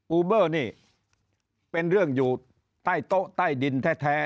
ูเบอร์นี่เป็นเรื่องอยู่ใต้โต๊ะใต้ดินแท้